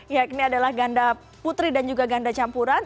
yakni adalah ganda putri dan juga ganda campuran